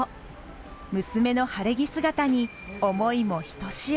娘の晴れ着姿に思いもひとしお。